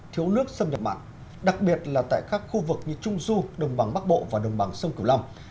thiếu nước xâm nhập mặn đặc biệt là tại các khu vực như trung du đồng bằng bắc bộ và đồng bằng sông cửu long